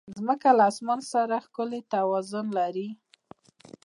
مځکه له اسمان سره ښکلی توازن لري.